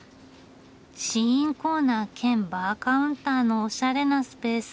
試飲コーナー兼バーカウンターのおしゃれなスペース。